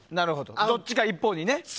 どっちか一方にね。